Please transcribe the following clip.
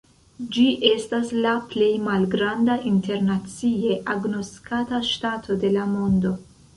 Ĝi estas la plej malgranda internacie agnoskata ŝtato de la mondo.